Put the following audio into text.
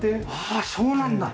ああそうなんだ！